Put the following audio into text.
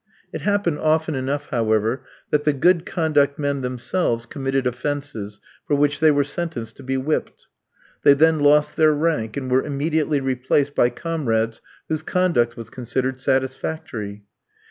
It happened often enough, however, that the good conduct men themselves committed offences for which they were sentenced to be whipped. They then lost their rank, and were immediately replaced by comrades whose conduct was considered satisfactory.